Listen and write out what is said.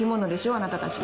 あなたたちは。